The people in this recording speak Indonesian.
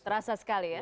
terasa sekali ya